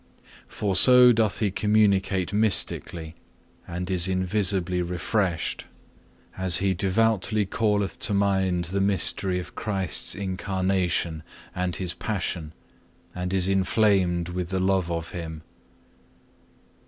For so often doth he communicate mystically, and is invisibly refreshed, as he devoutly calleth to mind the mystery of Christ's incarnation and His Passion, and is inflamed with the love of Him.